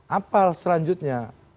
apa hal selanjutnya